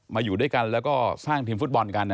อยู่ด้วยกันแล้วก็สร้างทีมฟุตบอลกัน